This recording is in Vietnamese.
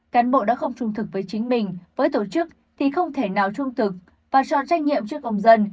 cán bộ đã không trung thực với chính mình với tổ chức thì không thể nào trung thực và tròn trách nhiệm trước công dân